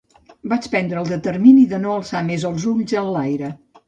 Vaig prendre el determini de no alçar més els ulls enlaire.